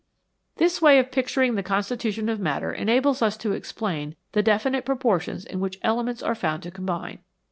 This way of picturing the constitution of matter enables us to explain the definite proportions in which elements are found to combine.